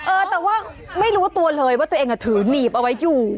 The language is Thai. เออแต่ว่าไม่รู้ตัวเลยว่าตัวเองถือหนีบเอาไว้อยู่